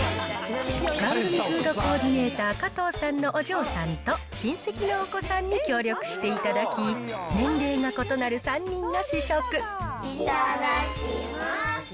番組フードコーディネーター、加藤さんのお嬢さんと、親戚のお子さんに協力していただき、いただきます。